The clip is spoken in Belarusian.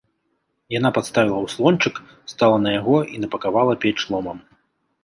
Яна падставіла ўслончык, стала на яго і напакавала печ ломам.